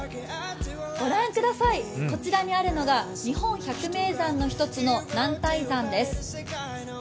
こちらにあるのが日本百名山の一つの男体山です。